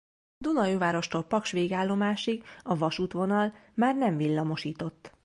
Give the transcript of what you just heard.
Dunaújvárostól Paks végállomásig a vasútvonal már nem villamosított.